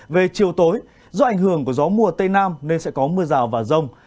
về chiều tối do ảnh hưởng của gió mùa tây nam nên sẽ có mưa rào và rông